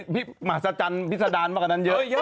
มหาศจรรย์พิษดารมากกว่านั้นเยอะ